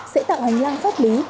sẽ tạo hành lang pháp lý